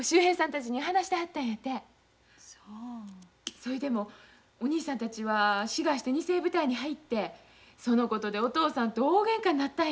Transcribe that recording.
そいでもお兄さんたちは志願して二世部隊に入ってそのことでお父さんと大げんかになったんやて。